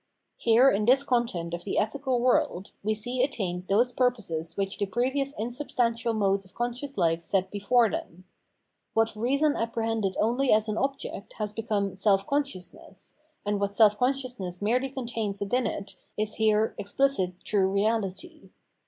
Here in this content of the ethical world, we see attained those purposes which the previous insubstantial modes of conscious hfe set before them. What Reason apprehended only as an object, has become Self consciousness, and what self consciousness merely contained within it is here explicit true reality.